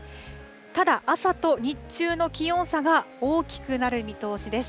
ただ朝と日中の気温差が大きくなる見通しです。